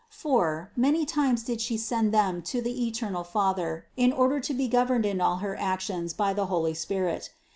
For, many times did She send them to the eternal Father in order to be governed in all her actions by the Holy Spirit.